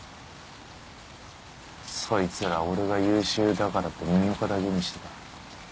そいつら俺が優秀だからって目の敵にしてた。